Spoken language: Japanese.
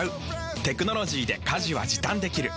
テクノロジーで家事は時短できる。